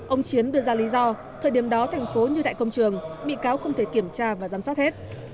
ông chiến đưa ra lý do thời điểm đó thành phố như tại công trường bị cáo không thể kiểm tra và giám sát hết